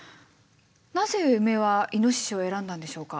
なぜウメはイノシシを選んだんでしょうか？